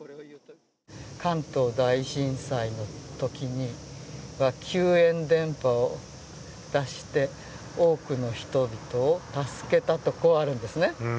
関東大震災のときには救援電波を出して多くの人々を助けたと、こうあるんですね。